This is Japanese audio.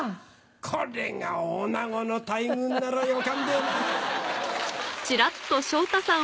これがオナゴの大群ならよかんべな。